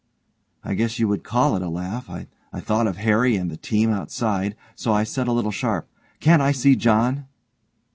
I guess you would call it a laugh. I thought of Harry and the team outside, so I said a little sharp: 'Can't I see John?'